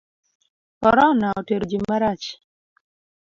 Korona otero ji marach.